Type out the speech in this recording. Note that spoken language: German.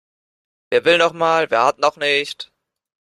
Wer will noch mal, wer hat noch nicht?